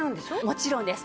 もちろんです。